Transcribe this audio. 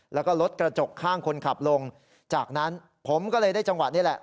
แล้วก็รถกระจกข้างคนขับลงจากนั้นผมก็เลยได้จังหวะนี้แหละ